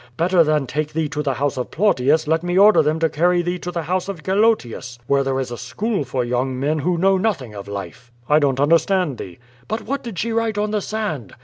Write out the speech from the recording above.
Better than take thee to the house of Plautius let me order them to carry thee to the house of Gelotius, where there is a school for young men who know nothing of life/^ "I donH understand thee/^ "But what did she write on the sand?